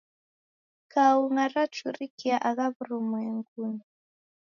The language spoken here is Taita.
Kaunga rachurikia aha wurumwengunyi